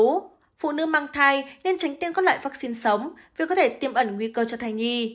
vì vậy phụ nữ mang thai nên tránh tiêm các loại vaccine sống vì có thể tiêm ẩn nguy cơ cho thai nhi